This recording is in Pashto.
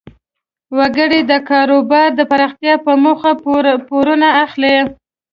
وګړي د کاروبار د پراختیا په موخه پورونه اخلي.